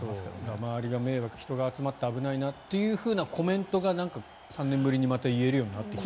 周りが迷惑人が集まって危ないなというコメントが３年ぶりにまた言えるようになってきた。